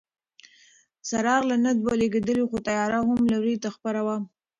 څراغ لا نه و لګېدلی خو تیاره هر لوري ته خپره وه.